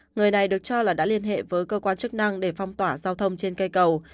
người này được cho là đã liên hệ với cơ quan chức năng để phong tỏa giao thông trên cây cầu